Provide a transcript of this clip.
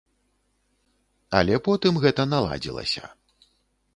Але потым гэта наладзілася.